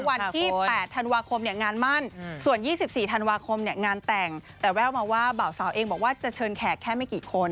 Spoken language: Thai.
วันที่๘ธันวาคมงานมั่นส่วน๒๔ธันวาคมงานแต่งแต่แววมาว่าบ่าวสาวเองบอกว่าจะเชิญแขกแค่ไม่กี่คน